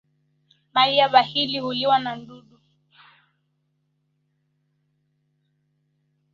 Mali ya bakhili huliwa n'dudu